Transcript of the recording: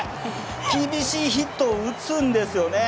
厳しいヒットを打つんですよね。